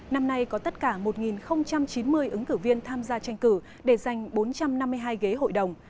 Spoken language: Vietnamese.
năm nay có tất cả một chín mươi ứng cử viên tham gia tranh cử để giành bốn trăm năm mươi hai ghế hội đồng